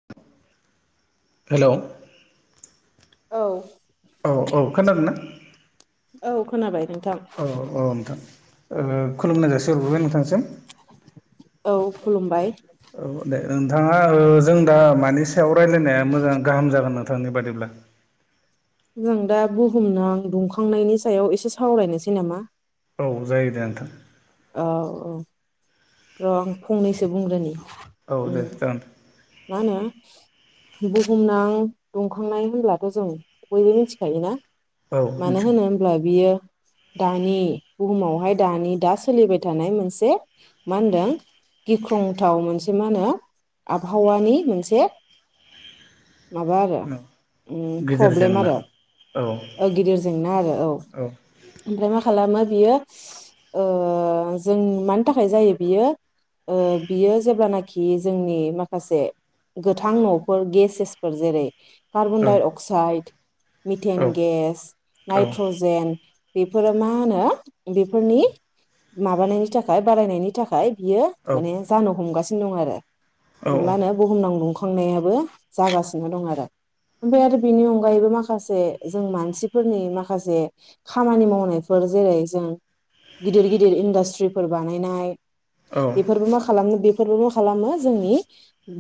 [inaudible] हेल' औ। औ औ खोनादो ना? औ खोनाबायदों। औ औ नोंथां ओ खुलुमनाय जासि हरग्रोबाय नोंथांसिम। औ खुलुमबाय। औ दे नोंथाङा ओ जों दा मानि सायाव रायलायनाया मोजां गाहाम जागोन नोंथांनि बादिब्ला? जों दा बुहुमनां दुंखांनायनि सायाव एसे सावरायनोसै नामा? औ जायो दे नोंथां औ औ र' आं फंनैसो बुंग्रोनि औ उम दे जागोन नों मा होनो बुहुमनां दंखांनाय होनब्लाथ' जों बयबो मिथिखायो ना? औ मानो मिथिगौ होनो होमब्ला बियो [inaudible] दानि बुहुमावहाय दानि दा सोलिबाय थानाय मोनसे मा होनदों गिख्रंथाव मोनसे मा होनो आबहावानि मोनसे माबा आरो औ ओम गिदिर प्रब्लेम जेंना आरो औ ओ गिदिर जेंना आरो औ ओमफ्राय मा खालामो बियो ओ जों मानि थाखाय जायो बियो ओ बियो जेब्लानाखि जोंनि मा खासे गोथां न'फोर गेसेसफोर जेरै औ कार्बनडाइ अक्साइड मिथेन औ गेस औ नायट्रजेन बेफोरो मा होनो बेफोरनि माबानायनि थाखाय बारायनायनि थाखाय बियो माने जानो हमगासिनो दं औ आरो मा होनो बुहुमनां दुं खांनायाबो जागासिनो दं आरो‌ ओमफ्राय आरो बिनि अनगायैबो माखासे जों मानसिफोरनि माखासे खामानि मावनायफोर जेरै जों गिदिर गिदिर इडास्ट्रिफोर बानायनाय बेफोरबो मा खालामो बेफोरबो मा खालामो जोंनि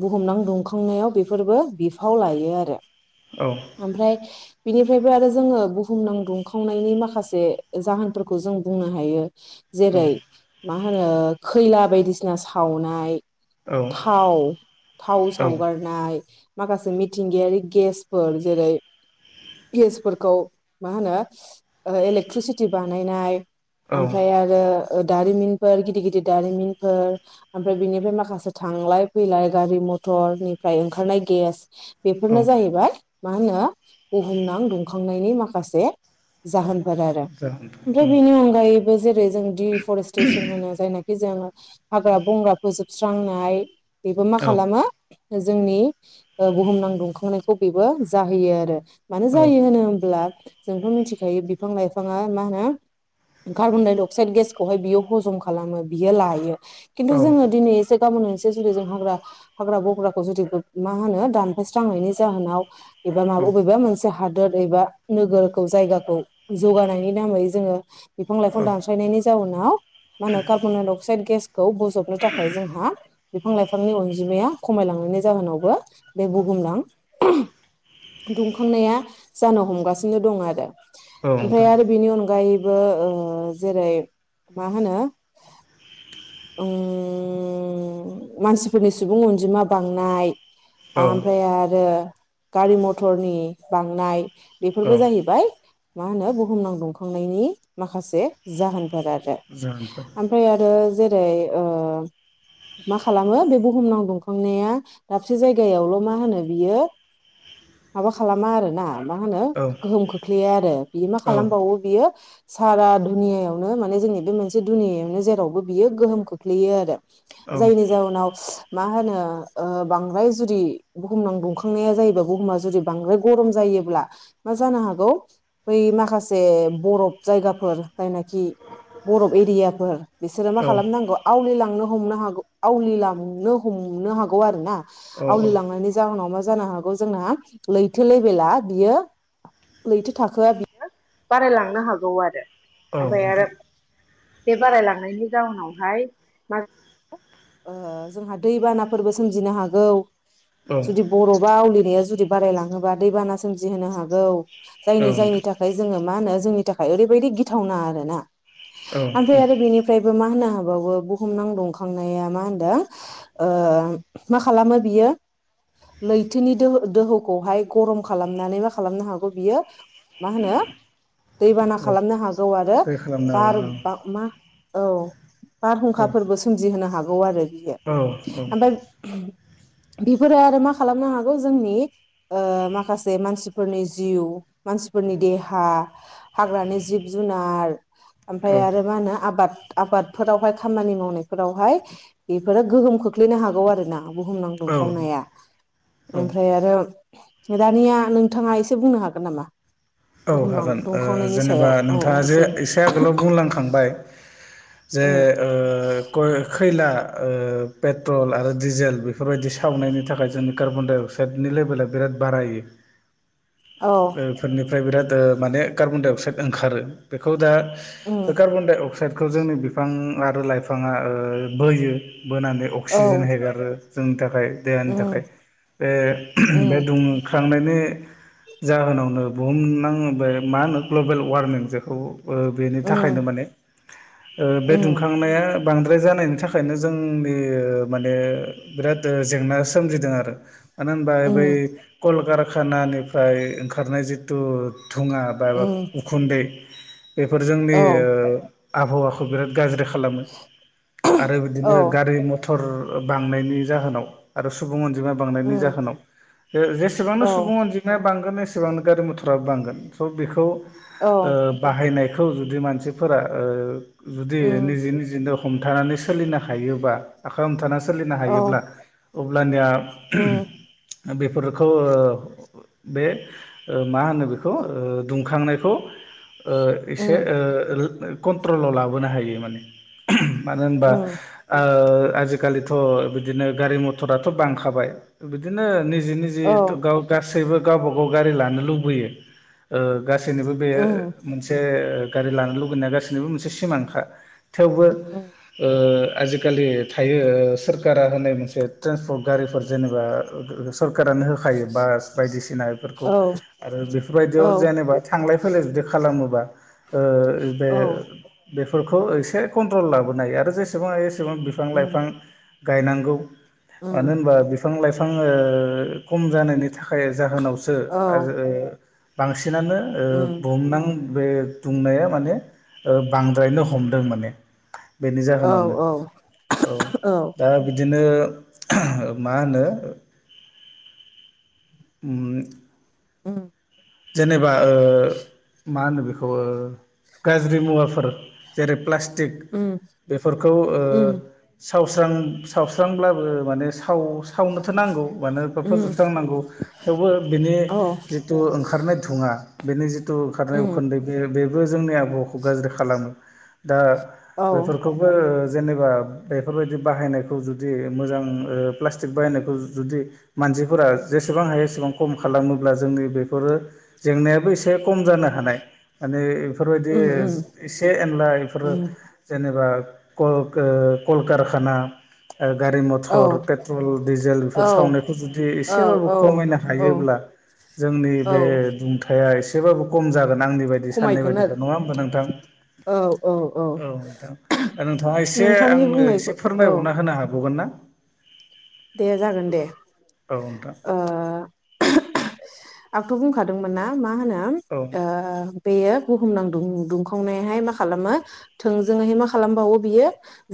बुहुमनां दुंखांनायाव बेफोरबो बिफाव लायो आरो ओमफ्राय बिनिफ्रायबो आरो जोङो बुहुमनां दुंखावनायनि माखासे जाहोनफोरखौ जों बुंनो हायो जेरै मा होनो खैला बायदिसिना सावनाय औ थाव थाव सावगारनाय माखासे मिथिंगायारि गेसफोर जेरै गेसफोरखौ मा होनो इलेक्ट्रिसिटि बानायनाय औ आमफ्राय आरो ओ दारिमिनफोर गिदिर गिदिर दारिमिनफोर ओमफ्राय बिनिफ्राय माखासे थांलाय फैलाय गारि मथरनिफ्राय ओंखारनाय गेस औ बेफोरनो जाहैबाय मा होनो बुहुमनां दुंखांनायनि माखासे जाहोन फोर आरो जागोन ओमफ्राय औ बेनि अनगायैबो जेरै जों दि फरेस्ट्रेसन होनो जायनाखि जों हाग्रा बंग्रा फोजोबस्रांनाय बेबो मा औ खालामो जोंनि ओ बुहुमनां दुंखांनायखौ बेबो जाहोयो आरो मानो औ जायो होनो होमब्ला जोंथ' मिथिखायो बिफां लाइफांङा मा होनो कार्बन- डाइ -अक्साइद गेसखौहाय बियो हजम खालामो बियो लायो खिन्थु औ जोङो औ दिनै एसे गाबोन एसे जुदि जों हाग्रा हाग्रा बंग्राखौ जुदि मा होनो दानफायस्रांनायनि जाहोनाव एबा मा बबेबा मोनसे हादोर एबा नोगोरखौ जायगाखौ जौगानायनि नामै जोङो बिफां लाइफां औ दानस्रायनायनि जाउनाव मा होनो कार्बन- डाइन -अक्साइड गेसखौ बोजबनो थाखाय जोंहा बिफां लाइफांनि अनजिमाया खमायलांनायनि जाहोनावबो बे बुगुमलां। दुंखांनाया जानो हमगासिनो दं आरो औ ओमफ्राय नोंथां आरो बेनि अनगायै ओ ओ ओ जेरै मा होनो उम--मानसिफोरनि सुबुं अनजिमा बांनाय। औ ओमफ्राय आरो गारि मथरनि बांनाय। बेफोरबो जाहैबाय मा होनो बुहुमनां दुंखांनायनि माखासे जाहोन। आरो जागोनफोर ओमफ्राय आरो जेरै ओ मा खालामो बे बुहुमनाव दुंखांनाया दाबसे जायगायावल' मा होनो बियो। माबा खालामा आरोना मा होनो औ गोहोम खोख्लैयो आरो बियो मा औ खालामबावो बियो सारा दुनियायावनो माने जोंनि बे मोनसे दुनियायावनो जेरावबो बियो गोहोम खोख्लैयो आरो औ जायनि जाहोनाव मा होनो बांद्राय जुदि बुहुमनाव दुंखांनाया जायोबा बुहुमा जुदि बांद्राय गरम जायो बिदिब्ला मा जानो हागौ बै माखासे बरफ जायगाफोर जायनाखि। बरफ एरियाफोर बिसोरो मा औ खालामनांगौ आवलिलांनो हमनो हागौ आवलिलांनो हमनो हागौ आरो ना औ आवलिलांनायनि जाहोनाव मा जानो हागौ जोंना लैथो लेभेला बियो। लैथो थाखोआ बियो बारायलांनो हागौ आरो। औ ओमफाय आरो नोंथां बे बारायलांनायनि जााहोनावहाय मा ओ जोंहा दैबानाफोरबो सोमजिनो हागौ। औ जुदि बर' बा आवलिनाया जुदि बारायलाङोबा दैबाना सोमजिहोनो हागौ। औ जायनि नोंथां जायनि थाखाय जोङो मा होनो जोंनि थाखाय ओरैबायदि गिथावना आरोना। औ ओमफ्राय उम आरो बेनिफ्रायबो मा होनो हाबावो बुहुमनां दुंखांनाया मा होनदों मा खालामो बियो। [inaudible] लैथोनि दोहो दोहौखौहाय गरम खालामनानै मा खालामनो हागौ बियो। मा होनो। दैबाना औ खालामनो हागौ आरो दै खालामनो बार हागोन ब मा औ। बारहुंखाफोरबो सोमजिहोनो हागौ आरो बियो औ ओमफा य। बेफोरो आरो मा खालामनो हागौ जोंनि। ओ माखासे मानसिफोरनि जिउ मानसिफोरनि देहा हाग्रानि जिब जुन। जुनार ओमफाय आरो मा होनो आबाद। आबादफोरावहाय खामानि मावनायफोरावहाय बेफोरो गोहोम खोख्लैनो हागौ आरो ना। बुहुमनां औ दुंखावनाया औ ओमफ्राय आरो। दानिया नोंथाङा एसे बुंनो हागोन नामा। औ बुहुमनां हागोन ओ दुंखावनायनि जेनेबा सायाव औ नोंथाङा औ जे उम एसे आगोलाव बुंलांखांबाय। जे ओ गयक खैला ओ पेट्रल आरो डिजेल बेफोरबायदि सावनायनि थाखाय जोंनि कार्बन -डाइ-अक्साइडनि। लेभेला बिराद बारायो। औ ओ फोरनिफ्राय बिराद माने कार्बन-डाइ -अक्साइद ओंखारो बेखौ दा। उम कार्बन डाइ अक्साइदखौ जोंनि बिफां आरो लाइफाङा ओ बोयो। बोनानै औ अक्सिजेन हेगारो जोंनि थाखाय। थाखाय देहानि उम थाखाय बे बे उम दङ। थांनायनि जाहोनावनो बुहुमनां बे मा होनो ग्लबेल वारमिं जेखौ। ओ बेनि उम थाखायनो माने ओ बे उम दुंखांनाया। बांद्राय जानायनि थाखायनो जोंनि माने बिराद जेंना सोमजिदों आरो। मानो होनबा बै उम कलकारखानानिफ्राय ओंखारनाय जिथु। धुङा बा उम उखुन्दै। बेफोर जोंनि औ ओ आबहावाखौ बिराद गाज्रि खा खालामो आरो औ बिदिनो गारि मथर थर बांनायनि जाहोनाव आरो सुबुं अन जिमा बांनायनि उम जाहोनाव जे जेसेबांनो औ सुबुं अनजिमाया बांगोन एसेबांनो गारि मथर फ्राब बांगोन स' बेखौ ओ औ बाहायनायखौ जुदि मानसिफोरा ओ जुदि उम निजे निजिनो हमथानानै सोलिनो हायोबा आखाइ हमथाना सोलिनो औ हायोब्ला अब्लानिया उम बेफोरखौ ओ बे ओ मा होनो बेखौ ओ दुंखांनायखौ ओ एसे उम ओ रोओ कन्ट्रलाव लाबोनो हायो माने मानो होनबा उम ओ आजिखालिथ' बिदिनो गारि मथराथ' बांखाबाय बिदिनो नि निजि निजि औ थ गाव गासैबो गावबा गाव गारि लानो लुबैयो ओ गासैनोबो बे उम मोनसे गारि लानो लुुबैनाया गासैनोबो मोनसे सिमांखा। थेवबो उम ओ आजिखालि थायो सोरखारा होनाय मोनसे ट्रन्सपर्ट गारिफोर जेनेबा सरकानो हो आ खायो बास बायदिसिना एफोरखौ औ आरो औ बेफोरबायदियाव जेनेबा थांलाय फैलाय जुदि खालाम खालामोबा ओ औ बे बेफोरखौ एसे कन्ट्रल लाबोन हायो आरो जेसेबां हायो एसेबां बिफां उम लाइफां गायनांगौ उम मानो होनबा बिफां लाइफां ओ खम जानायनि थाखाय जाहोनावसो औ आरो ओ बांसिनानो ओ उम बुहुमनां बे दुंनाया माने ओ बांद्रायनो हमदों माने बेनि औ जाहोनावनो औ दा बि बिदिनो [unintelligible] मा होनो उम। [unintelligible] जेनेबा ओ मा होनो बे खौ ओ गाज्रि मुवाफोर जेरै प्लास टिक उम बेफोरखौ ओ उम सावस्रां सावस्रांब्लाबो माने साव सावनोथ' नांगौ मानो एखौ उम फोजोबस्रांनांगौ थेवबो बिनि औ जिथु ओं ओंखारनाय घुङा बेनि जिथु खारनाय उम उखोन्दै बे बेबो जोंनि आबहावाखौ गाज्रि खालामो। दा औ बेफोरखौबो जेनेबा बेफोरबायदि बाहायनायखौ जुदि मोजां ओ प्लास्टिक बाहायनायखौ जुदि मान जिफोरा जेसेबां हायो एसेबां खम खालामोब्ला जोंनि बेफोरो जेंनायाबो एसे खम जानो हानाय माने बेफोरबायदि उम उम एसे एनला एफोरो उम जेनेबा कलखो कलकारखाना। ओ गारि औ मथर पेट्रल डिजेल बेफोर औ सावनायखौ जुदि एसेबाबो खमायनो औ औ हायोब्ला। जोंनि बे औ दुंथाया एसेबाबो खम जागोन। नांनि बायदि साननाय खमायगोन बायदिब्ला नङा होमबा नोंथां औ नोंथां दा नोंथाङा एसे नोंथांनि आंनो एसे बुंनायखौ औ फोरमायबावना होनो हाबावगोन ना। दे जागोन दे औ नोंथां ओ [unintelligible] आंथ' बुंखादोंमोन ना मा होनो औ ओ बेयो बुहुम नां दुं दुंखावनायहाय मा खालामो थोंजोंयै मा खालामबावो बियो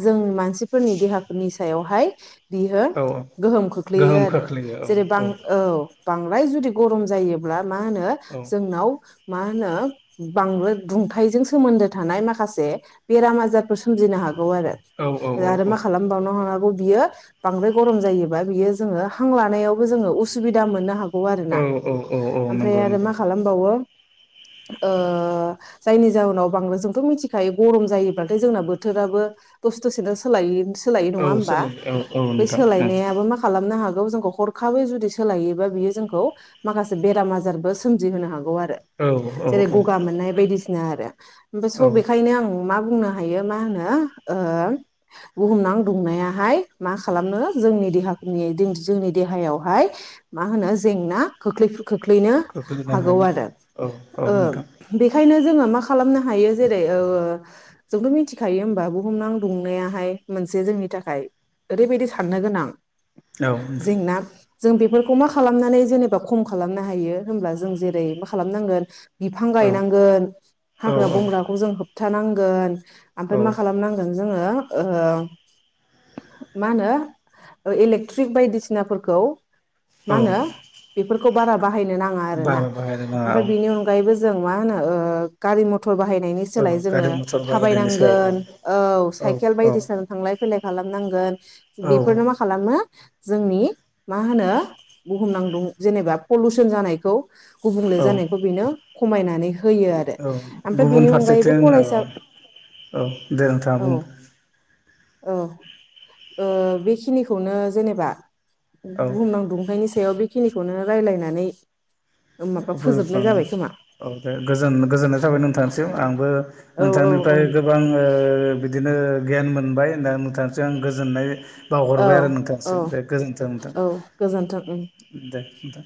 जों जों मानसिफोरनि देहाफोरनि सायावहाय बियो औ गोहोम खोख्लैयो गोहोम आरो खोख्लैयो औ जेरै बां औ बां बांद्राय जुदि गरम जायोब्ला मा होनो औ जोंनाव मा होनो बांद्राय दुंथाइजों सोमोन्दो थानाय माखासे बेराम आजारफोर सोमजिनो हागो गौ औ औ आरो आरो मा खालामबावनो हागौ बियो बांद्रा गरम जायोबा बियो जोंङो हां लानायावबो जोंङो उसुबिदा मोननो हागौ गौ औ आरोना औ औ ओमफ्राय नंगौ आरो नंगौ मा नोंथां खालामबावो [unintelligible] जायनि जाहोनाव बांद्राय जोंथ मिथिखायो गरम जायोब्लाथाय जोंना बोथोराबो दसे दसेनो सोलाय सोलायै नंङा औ होमबा सोलायो औ औ बै नोंथां नंगौ सोलायनायाबो मा खालामनो हागौ जों हरखाबै जुदि सोलायोबा बियो जोंखौ माखासे बेराम आजारबो सोमजिहोनो हागौ आरो औ औ जेरै औ गगा मोननाय बायदिसिना आरो स औ बेखायनो आं मा बुंनो हायो मा होनो बुहुमनां दुंनायाहाय मा खालामनो जोंनि देहायावहाय मा होनो जेंना खोख्लै खोख्लैनो खोख्लैनो हागौ हायो आरो औ ओ औ नोंथां बेखायनो जोंङो मा खालामनो हायो जेरै जोंथ' मिथिखायो होनबा बुहुमनां दुंनायाहाय मोनसे जोंनि थाखाय ओरैबायदि साननो गोनां औ जेंना जों बेफोरखौ मा खालामनानै जेनेबा खम खालामनो हायो होमब्ला जों जेरै मा खालामनांगोन बिफां गायनांगोन हाग्रा बंग्राखौ जों होबथानांगोन ओमफ्राय औ मा खालामनांगोन जोंङो मा होनो इलेक्ट्रिक बायदिसिनाफोरखौ मा औ होनो बेफोर खौ बारा बाहायनो नाङा आरो ना बारा बाहायनो नाङा ओमफ्राय औ बिनि अनगायैबो जों मा होनो गारि मतर खौ बाहायनायनि सोलाय औ गारि जोंङो मथर बाहायनायनि सायाव थाबायनांगोन औ साइकेल औ बायदिसिना जों थांलाय फैलाय खालाम नांगोन औ बेफोरनो मा खालामो जोंनि मा होनो बुहुमनां जेनेबा पलिउसन जानायखौ गुबुंले औ जानायखौ बेनो खमायनानै होयो आरो औ ओमफ्राय गुबुन बेनि अनगायैबो फारसेथिं औ फरायसा औ दे नोंथांआ औ बुं औ बेखिनि खौनो जेनेबा औ बुंहुमनां दुंथायनि सायाव बे खिनिखौनो रायलायनानै माबा फोजोबनाय जाबाय खोमा [unintelligible] औ दे गोजोननाय थाबाय नोंथांसिम आंबो औ नोंथांनिफ्राय औ गोबां बिदि बिदिनो गियान मोनबाय दा आं गोजोननाय बावहरबाय आरो औ नोंथांसिम औ दे गोजोनथों नोंथां औ गोजोन्थों उम। दे [unintelligible]